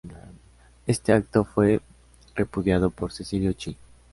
Ese acto fue repudiado por Cecilio Chi.